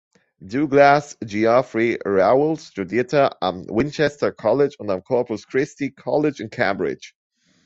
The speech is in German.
Douglas Geoffrey Rowell studierte am Winchester College und am Corpus Christi College in Cambridge.